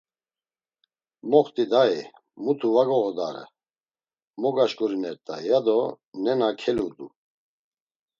“Moxt̆i dayi, muti va goğodare, mo gaşǩurinert̆ay” ya do nena keludu.